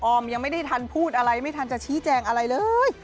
ยังไม่ได้ทันพูดอะไรไม่ทันจะชี้แจงอะไรเลย